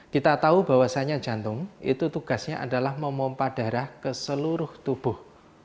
kita tahu bahwasannya jantung itu tugasnya adalah memompah darah ke seluruh tubuh